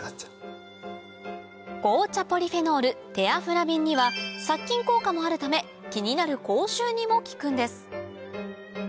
紅茶ポリフェノールテアフラビンには殺菌効果もあるため気になる口臭にも効くんです